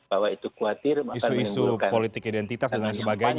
bahwa itu kuatir akan menimbulkan isu isu politik identitas dan lain sebagainya